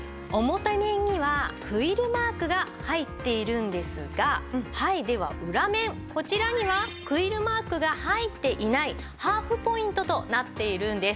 表面にはクイルマークが入っているんですがはいでは裏面こちらにはクイルマークが入っていないハーフポイントとなっているんです。